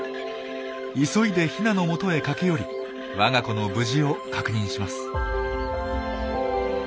急いでヒナのもとへ駆け寄りわが子の無事を確認します。